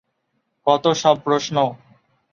কত সব প্রশ্ন!